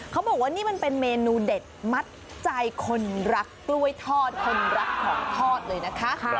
เขาบอกว่านี่มันเป็นเมนูเด็ดมัดใจคนรักกล้วยทอดคนรักของทอดเลยนะคะ